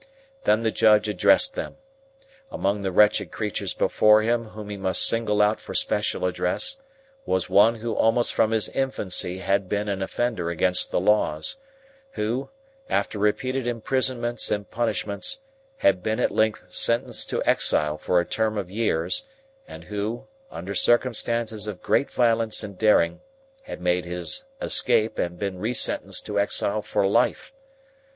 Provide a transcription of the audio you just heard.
Then the Judge addressed them. Among the wretched creatures before him whom he must single out for special address was one who almost from his infancy had been an offender against the laws; who, after repeated imprisonments and punishments, had been at length sentenced to exile for a term of years; and who, under circumstances of great violence and daring, had made his escape and been re sentenced to exile for life.